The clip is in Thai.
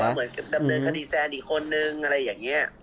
เหมือนดำเนินคดีแฟนอีกคนนึงอะไรอย่างนี้